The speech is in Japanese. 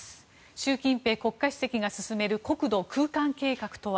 習近平国家主席が進める国土空間計画とは。